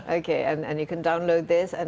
oke dan anda dapat menyalin ini